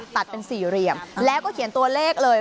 ตัดเป็นสี่เหลี่ยมแล้วก็เขียนตัวเลขเลย